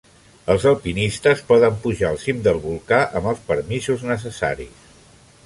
Els alpinistes poden pujar el cim del volcà amb els permisos necessaris.